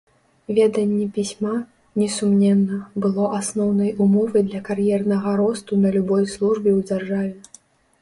Веданне пісьма, несумненна, было асноўнай умовай для кар'ернага росту на любой службе ў дзяржаве.